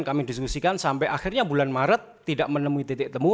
dan kami diskusikan sampai akhirnya bulan maret tidak menemui titik temu